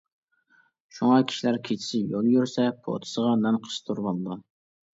شۇڭا، كىشىلەر كېچىسى يول يۈرسە پوتىسىغا نان قىستۇرۇۋالىدۇ.